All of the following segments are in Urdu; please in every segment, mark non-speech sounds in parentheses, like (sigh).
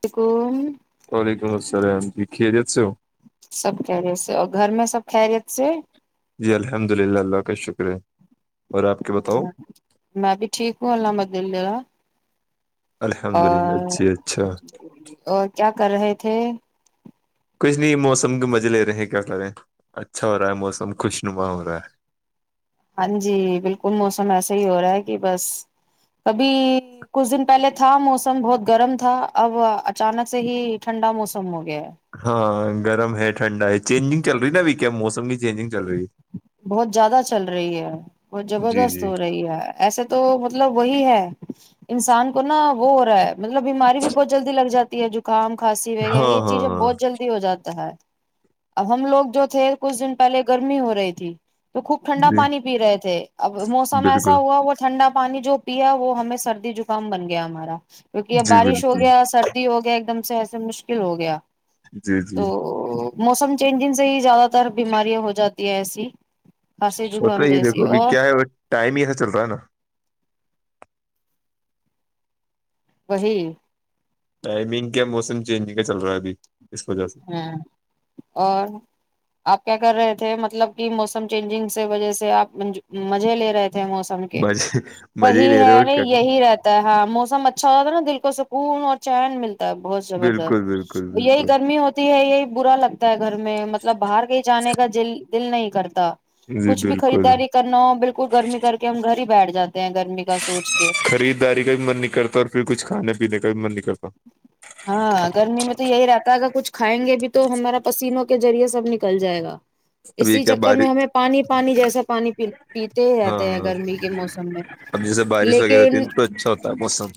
توک (unintelligible) وعلیکم السلام جی کھے جاچو سب خیریت سے اور گھر میں سب خیریت سے جی الحمد للہ اللہ کا شکرہ میں بھی ٹھیک ہوں الحمد للہ الحمد للہ اور جی اچھا اور کیا کر رہے تھے کچھ نہیں موسم کے مزے لے رہے ہیں کیا کر رہے ہیں اچھا ہو رہا ہے موسم خوش نما ہو رہا ہے ہاں جی بالکل موسم ایسا ہی ہو رہا ہے کہ بس کبھی کچھ دن پہلے تھا موسم بہت گرم تھا اب اچانک سے ہی ٹھنڈا موسم ہو گیا ہے ہاں گرم ہے ٹھنڈا ہے چینجنگ چل رہی ناب کیا موسم کی چینجنگ چل رہی ہے بہت زیادہ چل رہی ہے بہت ہے جی زبردست جی ہو رہی ہے ایسے تو مطلب وہی ہے انسان کو نا وہ ہو رہا ہے مطلب بیماری بھی بہت جلدی لگ جاتی ہے زکام کھانسی وغیرہ ہاں یہ ہاں چیز ہاں بہت جلدی ہو جاتا ہے اب ہم لوگ جو تھے کچھ دن پہلے گرمی ہو رہی تھی جی تو خوب ٹھنڈا جی پانی پی رہے تھے اب موسم ایسا بالکل ہوا وہ ٹھنڈا پانی جو پیا وہ ہمیں سردی زکام بن گیا ہمارا کیونکہ اب جی بارش ہو بالکل گیا سردی ہو گیا ایک دم سے ایسے مشکل ہو گیا جی (unintelligible) جی تو (unintelligible) موسم چینجن سے ہی زیادہ تر بیماریاں ہو جاتی تی ایسی (unintelligible) کھانسی ہوتا زکام ہی جیسی دیکھو ابھی اور کیا ہے وہ ٹائم ہی ایسا چل رہا ہے نا وہی ٹائمنگ کیا موسم چینجن کا چل رہا ہے ابھی اس وجہ سے ہاں اور (unintelligible) آپ کیا کر رہے تھے مطلب کہ موسم چینجنگ سے وجہ سے آپ مزے لے رہے تھے موسم کے مزے مزے ہی وہی لے ہے رہے ہو اور نہیں کیا کریں۔ یہی رہتا ہے ہاں موسم اچھا ہوتا تھا نا د کو سکون اور چین ملتا (unintelligible) بہت بالکل بالکل زبردست بالکل یہی (unintelligible) ہوتی ہے یہی برا لگتا ہے گھر میں مطلب باہر کہیں جانے کال دل نہیں کرتا جی کچھ بھی بالکل خریداری کرنا ہو بالکل گرمی کر کے ہم گھر ہی بیٹھ جاتا (inaudible) خریدداری کا بھی من نہیں کرتا اور پھر کچھ کھانے پینے کا بھی من نہیں کرتا (inaudible) ہاں گرمی میں تو یہی رہتا ہے اگر کچھائیں گے بھی (inaudible) تو ہمارا پسینوں کے ذریعے سے سب نکل جائے گا اب یہ اسی کیا چکر میں بارش ہمیں پانی پانی جیسا پانی پیتے ہی ہاں رہتے ہیں ہاں، گرمی کے موسم میں اب جیسے بارش وغیرہ ہوتی ہے لیکن نا، تو اچھا ہوتا ہے موسم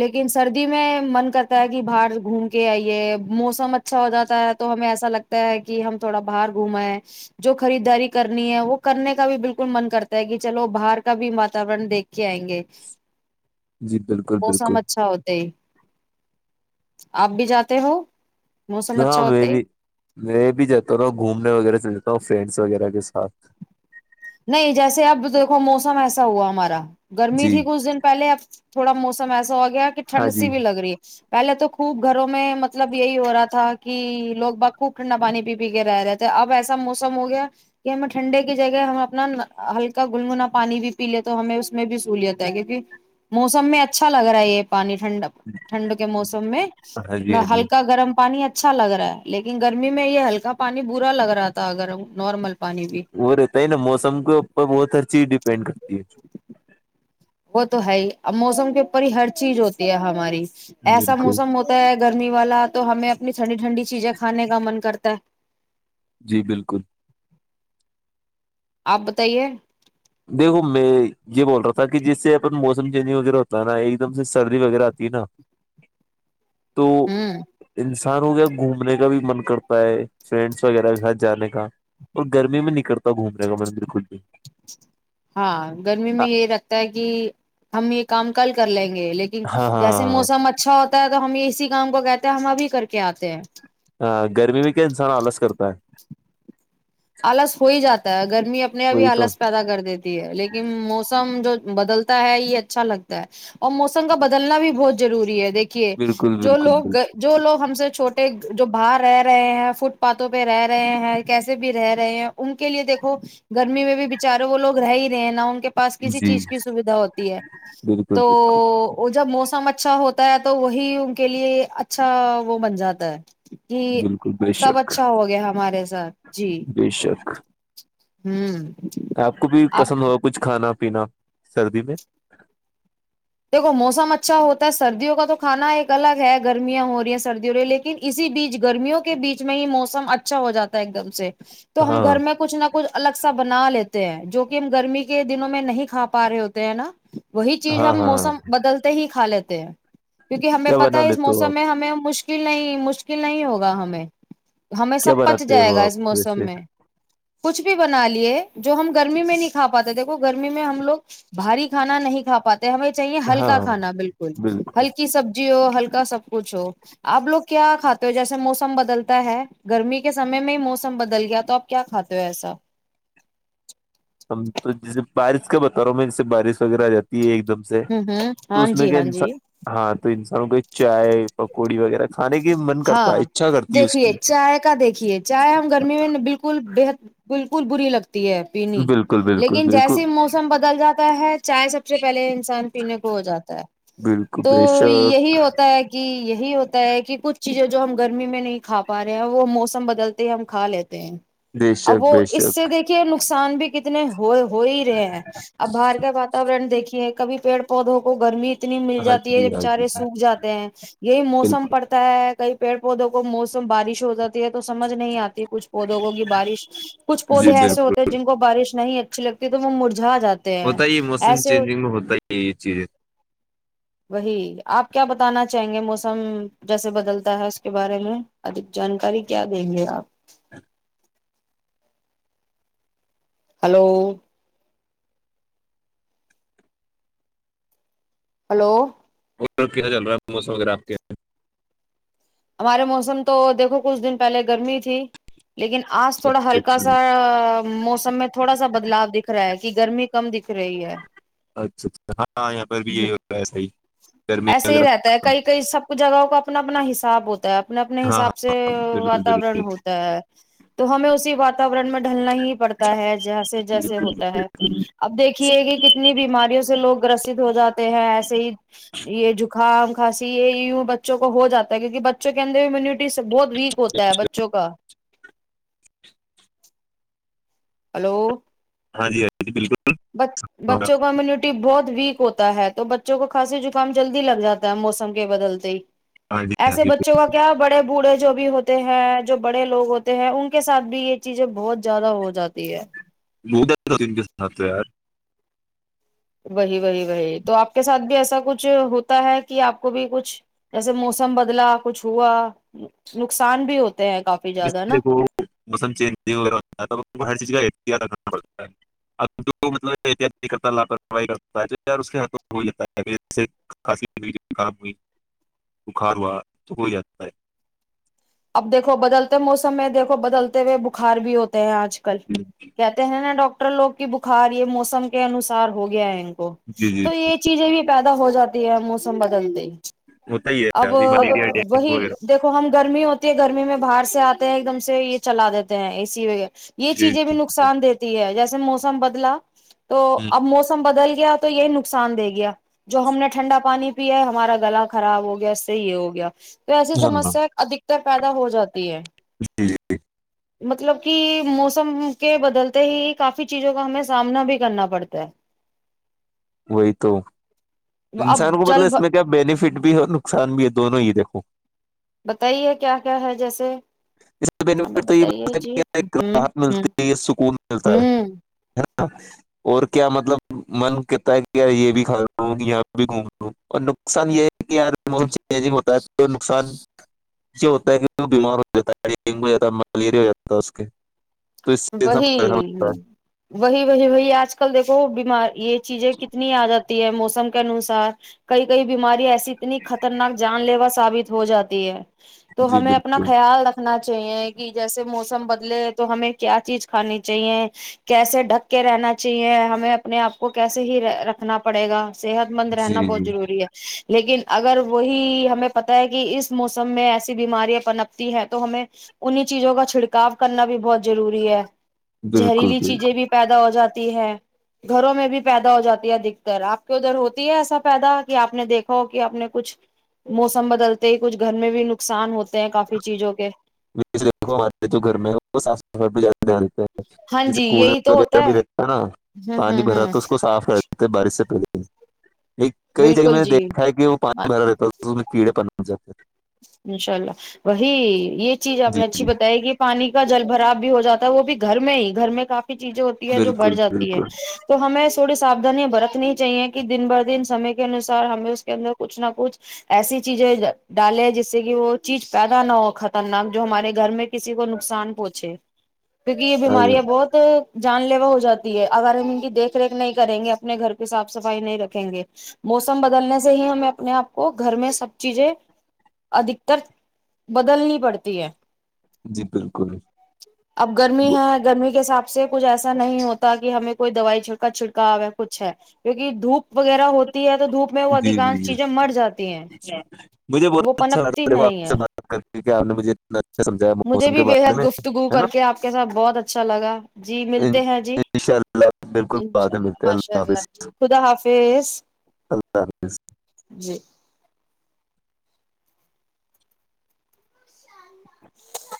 لیکن سردی میں من کرتا ہے کہ باہر گھوم کے آئیے موسم اچھا اچھا ہو جاتا ہے تو ہمیں ایسا لگتا ہے کہ ہم تھوڑا باہر گھوما ہے جو خریداری کرنی ہے وہ کرنے کا بھی بالکل من کرتا ہے کہ چلو باہر کا بھی واتورن دیکھ کے آئیں گے جی بالکل موسم بالکل اچھا ہوتا آپ بھی جاتے ہو موسم ہاں اچھا میں ہوتے ہی بھی میں بھی جاتا رہاوں گھومنے وغیرہ سے ج س فرینڈس وغیرہ کے ساتھ نہیں جیسے اب دیکھو موسم ایسا ہوا ہمارا گرمی جی تھی کچھ دن پہلے اب تھوڑا موسم سم سو کہ ہاں ٹنڈ سی جی بھی لگ رہی ہے پہلے تو خوب گھروں میں مطلب یہی ہو رہا تھا کہ لوگ ب خوب ٹھنڈا پانی پی پی کے رہ رہے تھے اب ایسا موسم ہو گیا کہ ہمیں ٹھنڈے کی جگہ ہم اپنا ہلکا گنگنا پانی بھی پی لے تو ہمیں اس میں بھی سہولیت ہے کیونکہ موسم میں اچھا لگ رہا ہے یہ پانی ٹھنڈ ٹھنڈ کے موسم میں ہاں نہ جی ہاں جی ہلکا گرم پانی ا اچھا لگ رہا ہے لیکن گرمی میں یہ ہلکا پانی برا لگ رہا تھا اگر نارمل پانی بھی وہ رہت ہے نا موسم اوپر بہت ہرچیز ڈیپینڈ کرتے وہ تو ہے ہی اب موسم کے اوپر ہی ہر چیز ہوتی ہے ہماری ایسا بالکل موسم ہوتا ہے گرمی والا تو ہمیں اپنی ٹھنڈی ٹھنڈی چیزیں کھانے کا من کرتا کتا جی بالکل آپ بتائیے دیکھو میں یہ بول رہا تھا کہ جس سے اپن موسم چینجگ وغیرہ ہوتا ہے نا ایک دم سے سردی وغیرہ آتی ہے نا تو ہوں انسان آسان ہو گیا گھومنے کا بھی من کرتا ہے فرینڈس وغیرہ کے ساتھ جانے کا اور گرمی میں نہیں کرتا گھومنے کا من بالکل بھی ہاں گرمی میں یہ لگتا ہے کہ ہم یہ کام کل کر لیں گے لیکن ہاں جیسے ہاں موسم اچھا ہوتا تو ہم یہ اسی گامں کو کہتے ہیں ہم ابھی کر کے آتے ہیں ہ گرمی میں کیا انسان آلس کرتا ہے آلس ہو ہی جاتا ہے اگر می اپنے ا ہی وہی تو آلس پیدا کر دیتی ہے لیکن موسم جو بدلتا ہے یہ اچھا لگتا ہے اور موسم کا بدلنا بھی بہت ضروری ہے دیکھیے بالکل جو بالکل لوگ بالکل جو لوگ ہم سے چھوٹے جو باہر ہے رہے ہیں فٹ پاتھوں پہ رہ رہے ہیں کیسے بھی بھی رہ رہے ہیں ان کے لیے دیکھو گرمی میں بھی بچارے وہ لوگ رہ ہی رہے ہیں نا ان کے پاس کسی جی چیز کی سوھا ہوتی ہے بالکل تو بالکل وہ جب موس م اچھا ہوتا ہے تو وہی ان کے لیے اچھا وہ بن جاتا ہے کہ بالکل بے سب شک اچھا ہو گیا ہمارے ساتھ جی بے شک ہوں آپ کو بھی پسند ہوا کچھ کھا کھانا پینا سردی میں دیکھو موسم اچھا ہوتا ہے سردیوں کا تو کھانا ایک الگ ہے گرمیاں ہو رہی ہیں سردی ہو رہی ہے لیکن اسی بیچ گرمیوں کے بیچ میں ہی موسم اچھا ہو جاتا ہے ایک دم سے تو ہاں ہم گھر میں کچھ نہ کچھ الگ سا بنا لیتے جو کہ ہم گرمی کے دنوں میں نہیں کھا پا رہے ہوتے ہیں نا وہی چیز ہاں ہم موسم ہاں ہم بدلتے ہی کھا لیتے لیے کیونکہ ہمیں کیا پتا بنا ہے اس لیتے ہو موسم آپ میں ہمیں مشک مشکل نہیں مشکل نہیں ہوگا ہمیں ہمیں کیا سب پچ بناتے جائے ہو گا آپ اس موسم ویسے میں کچھ بھی بنا لیے جو ہم گرمی میں نہیں کھا پاتے دیکھو گرمی میں ہم لوگ بھاری کھانا نہیں کا پاتے ہمیں چاہیے ہاں ہلکا ہاں کھانا بالکل ہلکی سبزی ہو ہلکا کا سب کچھ ہو آپ لوگ کیا کھاتے ہو جیسے موسم بدلتا ہے گرمی کے سمے میں ہی موسم بدل گیا تو آپ کیا کھاتے ہو ایسا تو جیسے بارش کا بتا رہا ہوں میں جیسے بارش وغیرہ آ جاتی ہے دم سے ہوں ہوں تو ہاں اس میں جی کیا ہاں جی انسان ہاں تو انسانوں کے چائے پوری وغیرہ کھانے کی من کرتا ہے ہاں اچھا کرتی ہے اس دیکھیے کی چائے کا دیکھیے چائے ہم گرمی میں بالکل بےحد بالکل بری لگتی پینی بالکل بالکل لیکن بالکل جیسے موسم بدل جاتا ہے چائے سب سے پہلے انسان پینے کو ہو جاتا ہے بالکل تو بے شک یہی ہوتا ہے کہ یہ ہی ہوتا ہے کہ کہ کچھ چیزیں جو ہم گرمی میں نہیں کا پا رہے ہیں وہ موسم بدلتے ہی ہم کھا لیتے بے اب شک وہ بے اس سے شک دیکھیے نقصان بھی کتنے ہو ہو ہی رہے ہیں اب باہر کا واتاورن دیکھیے کبھی پیڑ پودوں کو گرمی اتنی مل ہاں جاتی ہے جی ہاں جی بےچارے سوکھ جاتے ہیں یہی موسم بالکل پڑتا ہے کبھی پیڑ پودوں کو موسم بارش ہو جاتی ہے تو سمجھ نہیں آتی کچھ پودوں کو کی بارشکچھ جی پودے ایسے بالکل ہوتے ہیں جن کو بارش نہیں اچھی لگتی ہے تمہیں موموز ہوتا ہے یہ موسم چینجنگ میں ہوتا ہی یہ چیزیں وہی آپ کیا بتانا چاہیں گے موسم جیسے بدلتا ہے اس کے بارے میں ادھیک جانکاری کیا دیں گے آپ ہلو ہلو ا کیا چل رہا ہے موسم وغیرہ آپ کے سارے موسم تو دیکھو کچھ دن پہلے گرمی تھی لیکن آج تھوڑا اچھا ہلکا اچھا سا موسم میں تھوڑا سا بدلاؤ دکھ رہا ہے کہ گرمی کم دکھ رہی ہے اچھا اچھا ہاں یہاں پر بھی یہی ہوتاا ہے صحی گرمی میں ایسے اگر ہی رہتا ہے کئی کئی سب جگہوں کا اپنا بناے سثابوتہ اپنے اپنے حساب سے بالکل واتورن بالکل ہوتا ہے تو ہمیں اسی واتاورن میں ڈھلنا ہی پڑتا ہے جیسے جیسے بالکل، ہوتا ہے اب دیکھیے کہ کتنی بیماریوں سے لوگ گرست ہو جاتے ہیں ایسے ہی یہ زکام کھسی یہ ی بچوں کو ہو جاتا کیونکہ بچ ک کہنے بھی مو بہت ویک ہوتا ہے بچوں کا (inaudible) ہلو ہاں جی جی بالکل ب بچوں کا امیونٹی بہت ویک ہوتا ہے تو بچوں کو کانسی زکام جلدی لگ جاتا ہے موسم کے بدلتے ہی ہاں جی ہاں ایسے جی بچوں کا کیا بڑے بوڑھے جو بھی ہوتے ہیں جو بڑے لوگ ہوتے ہیں ان کے ساتھ بھی یہ چیزیں بہت زیادہ ہو جاتی ہے لن کے ساتھ یار وہی وہی وہی تو آپ کے ساتھ بھی ایسا کچھ ہوتا ہے کہ آپ کو بھی کچھ جیسے موسم بدلا کچھ ہوا نقصان بھی ہوتا دیکو موسم چینج ہر چیز کا ا مطلب احتیاط کرتا لاپروی کرتا ہےیار اس کے ہاتھوں جاتا ہے کی خراب ہوئی بخار ہوا تو ہو جاتا ہے اب دیکھو بدلتے موسم میں دیکھو بدلتے ہوئے بخار بھی ہوتے آج کل ہے کہتے ہیں نا ڈاکٹر ٹر لوگ کی بخار یہ موسم کے انوسار ہو گیا ہے جی جی تو یہ چیزیں بھی پ پہ ہو جاتی ہے موسم بدلتی ہوتا ہی ہے اب یار یہ ملیریا وہی ڈینگو وغیرہ دیکھو ہم گرمی ہوتی گرمی میں باہر سے آتے ہیں ایک دم سے یہ چلا دیتے ہیں اے سی وغیرہ یہ جی چیزیں بھی نقصان دیتی ہے جیسے جیسے موسم بدلا تو اب موسم بدل گیا تو یہی نقصان دے گیا جو ہم نے ٹھنڈا پانی پیا ہمارا گلا خراب ہو گیا اس سے یہ ہو گیا تو ایسی ہاں سمسیا ادک پیدا ہو جاتی ہے جی جی مطلب کہ موسم کے بدلتے ہی کافی چیزوں کا ہمیں سامنا بھی کرنا پڑتا ہے وہی تو اب انسان کو مطلب جل اس میں کیا بینیفٹ بھی ہے نقصان بھی ہے دونوں ہی دیکھو بتائیے کیا کیا ہے جیسے ہمیں اسینیٹ تو یہ بتائیے جی ہ راحت ہ ملتی ہے سکون ملتا ہ ہے (unintelligible) اور کیا مطلب من کہتا ہے کہ ی یہ بھی کھا لوں یہاں پ بھی گھوم لوں اور نقصان یہ ہے کہار م چینجگ ہوتا ہے تو نقصان یہ ہوتا ہے کہ بیمار (unintelligible) ج ہے ڈینگو ہو جاتا ملیریا ہو جاتا تھا اس کے (unintelligible) سے انسان پریشان وہی ہوتا وہی بی وہی آج کل دیکھو (unintelligible) وہ بیمار (unintelligible) یہ چیزیں کتنی عادت ہے موسم کے انوسار کئی کئی بیماری ایسی اتنی خطرناک جان لیوا سے (unintelligible) ثابت ہو جاتی ہے (unintelligible) ہے تو جی ہمیں اپنا بالکل خیال رکھنا چاہیے کہ جیسے موس بدلے تو ہمیں (unintelligible) کیا چیز کھانی چاہیے کیسے ڈھک کے رہنا چاہیے ہمیں اپنے آپ کو کیسے ہی رکھنا پڑے گا صحت مند جی رہنا بہت جی ضروری ہے لیکن اگر وہی ہمیں پتا ہے کہ اس موسم میں ایسی بیماریاں پنپتی ہیں تو ہمیں انیں چیزوں کا چھڑکاؤ کرنا بھی بہت ضروری ہے (unintelligible) بالکل زہریلی بالکل چیزیں بھی پیدا ہو جاتی ہے (unintelligible) گھروں میں بھی پیدا ہو جاتی ہے ادکتر آپ کے ادھر ہوتی ہے ایسا پیدا کہ آپ نے دیکھا ہو کہ آپ نے کچھ موسم بدلتے ہی کچھ گھر میں بھی نقصان ہوتا کافی چیزوں کے (unintelligible) (unintelligible) س ب دانتے (unintelligible) ہاں جیسے جی کولر یہی تو وغیرہ ہوتا بھی رتا ہے نا ہ پانی ہ بھرا ہ تو اس کو صاف کر بارش سے پیدے (unintelligible) ایک کئی جگہ بالکل میں نے جی دیکھا ہے کہ وہ پانی بھرا دیتا تھا میں کیڑے پر جافھر (unintelligible) انشاء اللہ وہی یہ چیز ہیں آپ جی نے اچھی جی بتائی ہے کہ پانی کا جل بھراب بھی ہو جاتا ہے وہ بھی گھر میں ہی گھر میں کافی چیزیں ہوتی ہے جو بڑھ بالکل جاتی ہے تو ہمیں تھوڑی ساھانیاں برتنی چاہیے کہ دن ب دن سمے کے انسار ہمیں اس کے اندر کچھ نہ کچھ ایسی چیزیں ڈالے جس سے کہ وہ چیز پیدا نہ ہو خطرناک جو ہمارے گھر میں کسی کو نقصان پہنچے کیونکہ یہ بالکل بیمارییا بہت جان لیوا ہو جاتی ہے اگر ہم ان کی دیکھ ریکھ نہیں کریں گے اپنے گھر کی صاف صفائی نہیں رکھیں گے موسم بدلنے سے ہی ہمیں اپنے آپ کو گھر میں سب چیزیں ادھکتر بدلنی پڑتی ہے جی بالکل (unintelligible) اب گرمی وہ- ہے گرمی کے حساب (unintelligible) سے کچھ ایسا نہیں ہوتا کہ ہمیں کوئی دوائی چھڑکا چھڑکا ہو ہے کچھ ہے کیکہ دھوپ وغیرہ ہوتا (unintelligible) ہے تو دھوپ میں وہ جی ادھانش جی جی چیزیں مر جاتی ہیں (unintelligible) مجھے وہ بہت اچھا پنپتی لگا دیکھو نہیں آپ سے ہے بات کر کے کہ آپ نے مجھے اتنا اچھا سمجھایا مجھے موسم بھی کے بارے بےحد میں گفتگو ہے نا کر کے آپ کے ساتھ بہت اچھا لگا جی ملتے ان ہیں جی شاء اللہ بالکل بعد انشاء میں اللہ ملتے ہیں ماشاء حافظ اللہ جی خدا حافظ (unintelligible) تز جی (inaudible) ا (inaudible)